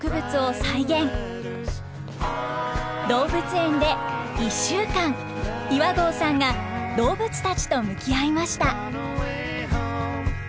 動物園で１週間岩合さんが動物たちと向き合いました。